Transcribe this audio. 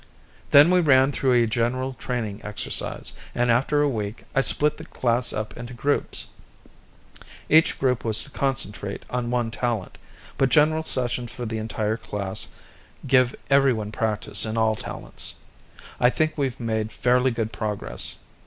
Then we ran through a general training exercise, and after a week, I split the class up into groups. Each group was to concentrate on one talent, but general sessions for the entire class give everyone practice in all talents. I think we've made fairly good progress.